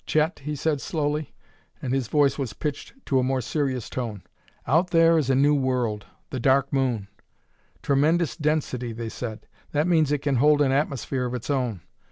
"Chet," he said slowly, and his voice was pitched to a more serious tone, "out there is a new world, the Dark Moon. 'Tremendous density,' they said. That means it can hold an atmosphere of its own.